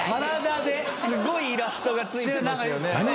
すっごいイラストがついてますよね。